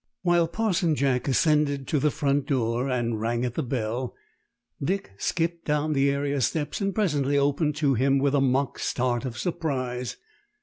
While Parson Jack ascended to the front door and rang at the bell, Dick skipped down the area steps, and presently opened to him with a mock start of surprise.